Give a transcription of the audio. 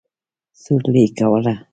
سورلي کوله.